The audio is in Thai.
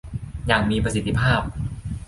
อย่างมีประสิทธิภาพ